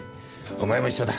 お前も一緒だ